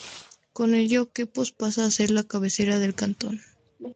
Con ello Quepos pasa a ser la cabecera del cantón.